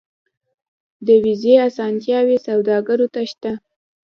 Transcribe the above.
د ویزې اسانتیاوې سوداګرو ته شته